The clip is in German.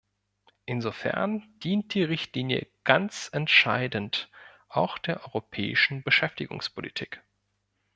Insofern dient die Richtlinie ganz entscheidend auch der europäischen Beschäftigungspolitik.